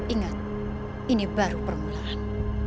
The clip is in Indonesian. ingat ini baru permulaan